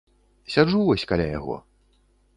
Сяджу вось каля яго.